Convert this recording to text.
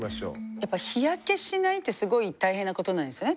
やっぱ日焼けしないってすごい大変なことなんですよね。